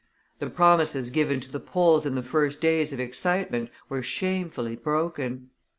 The promises given to the Poles in the first days of excitement were shamefully broken.